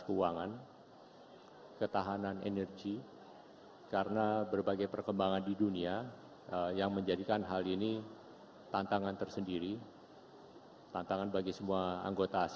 pengungsi yang mengalir ke negara negara tetangga